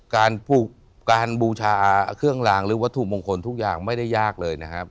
การบูชาเครื่องลางหรือวัตถุมงคลทุกอย่างไม่ได้ยากเลยนะครับ